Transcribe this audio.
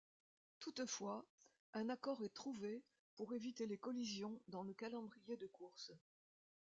Toutefois, un accord est trouvé pour éviter les collisions dans le calendrier de courses.